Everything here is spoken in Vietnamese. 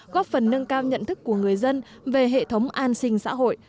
góp phần nâng cao nhận thức của người dân về hệ thống an sinh xã hội